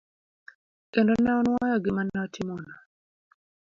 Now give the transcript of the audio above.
Kendo ne onuoyo gima ne otimono.